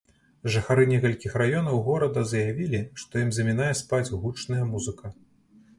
Жыхары некалькіх раёнаў горада заявілі, што ім замінае спаць гучная музыка.